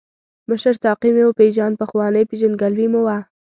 مشر ساقي مې وپیژاند، پخوانۍ پېژندګلوي مو وه.